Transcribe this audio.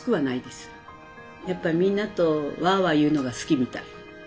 やっぱりみんなとわあわあ言うのが好きみたい。